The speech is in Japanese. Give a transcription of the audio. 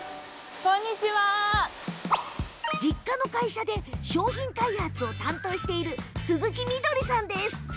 実家の会社で商品開発を担当している鈴木みどりさんです。